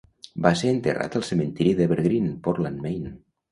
Va ser enterrat al cementiri d'Evergreen, Portland, Maine.